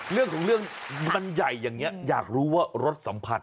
เรื่องของเรื่องมันใหญ่อย่างนี้อยากรู้ว่ารสสัมผัส